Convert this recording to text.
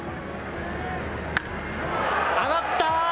上がった！